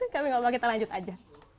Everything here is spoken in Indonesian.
kami ngomong kita lanjut aja